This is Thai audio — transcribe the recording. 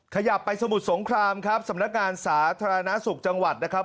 ขยับไปสมุทรสงครามครับสำนักงานสาธารณสุขจังหวัดนะครับ